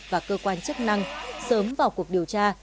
và cơ quan chức năng sớm vào cuộc điều tra